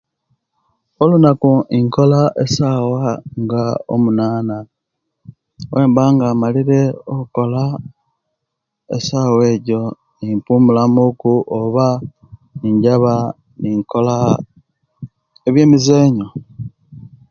Olunaku nkola esawa nga omunana, owemba nga imalire okola esawa ejo, nimpumula muku oba ninjaba ninkola ebyemizeenyu.